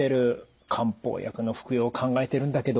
漢方薬の服用を考えてるんだけど。